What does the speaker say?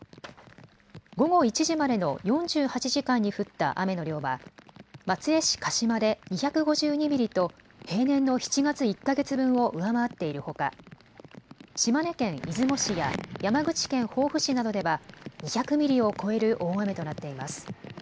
午後１時までの４８時間に降った雨の量は松江市鹿島で２５２ミリと平年の７月１か月分を上回っているほか島根県出雲市や山口県防府市などでは２００ミリを超える大雨となっています。